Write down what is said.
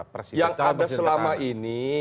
pers yang ada selama ini